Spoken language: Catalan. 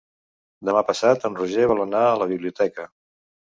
Demà passat en Roger vol anar a la biblioteca.